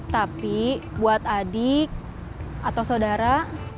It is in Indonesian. tapi buat adik atau saudara